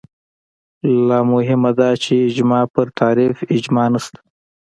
لا مهمه دا چې اجماع پر تعریف اجماع نشته